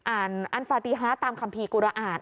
อ่านอันฟาติฮะตามคัมภีร์กุระอาจ